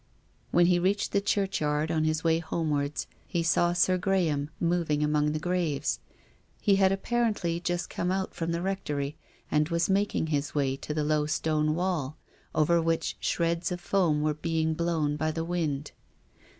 When he reached the churchyard on his way homewards, he saw Sir Graham moving among the graves. He had apparently just come out from the Rectory and was making his way to the low stone wall, over which shreds of foam were being blown by the wind.